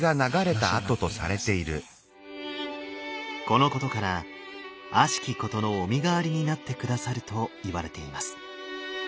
このことから悪しきことのお身代わりになって下さるといわれています。